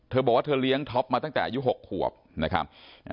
บอกว่าเธอเลี้ยงท็อปมาตั้งแต่อายุ๖ขวบนะครับ